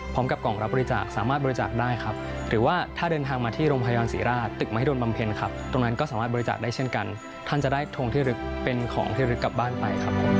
โปรดติดตามตอนต่อไป